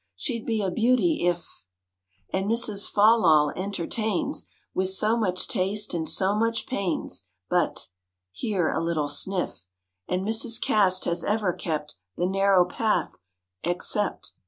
She'd be a beauty if " "And Mrs. Follol entertains With so much taste and so much pains; But " (here a little sniff). "And Mrs. Caste has ever kept The narrow path except."